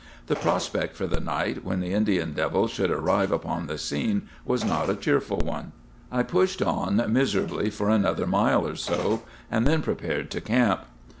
The prospect for the night, when the Indian devil should arrive upon the scene, was not a cheerful one. I pushed on miserably for another mile or so, and then prepared to camp.